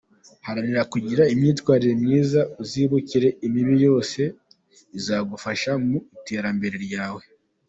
Haranira kugira imyitwarire myiza uzibukire imibi yose, bizagufasha mu iterambere ryawe.